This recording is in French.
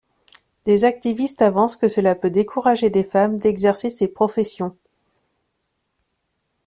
Des activistes avancent que cela peut décourager des femmes d'exercer ces professions.